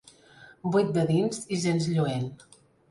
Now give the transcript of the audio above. Buit de dins i gens lluent.